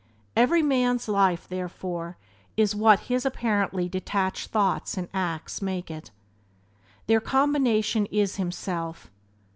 Every man's life, therefore, is what his apparently detached thoughts and acts make it. There combination is himself.